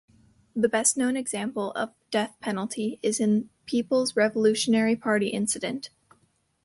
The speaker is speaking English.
The best-known example of death penalty is in People's Revolutionary Party Incident.